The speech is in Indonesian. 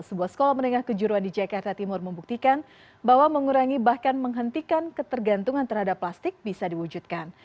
sebuah sekolah menengah kejuruan di jakarta timur membuktikan bahwa mengurangi bahkan menghentikan ketergantungan terhadap plastik bisa diwujudkan